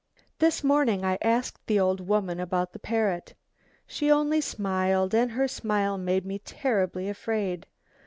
"This morning I asked the old woman about the parrot. She only smiled and her smile made me terribly afraid.